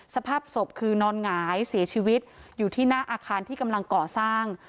สภาพศพคือนอนหงายเสียชีวิตอยู่ที่หน้าอาคารที่กำลังก่อสร้าง